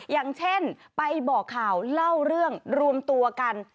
อย่างเช่นไปบอกข่าวเล่าเรื่องรวมตัวกัน